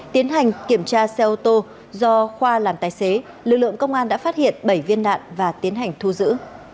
tiến hành kiểm tra xe ô tô do khoa làm tài xế lực lượng công an đã phát hiện bảy viên đạn và tiến hành thu giữ